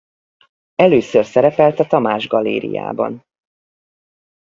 Először szerepelt a Tamás Galériában.